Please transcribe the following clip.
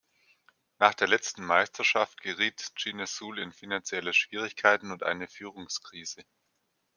Nach der letzten Meisterschaft geriet Chinezul in finanzielle Schwierigkeiten und eine Führungskrise.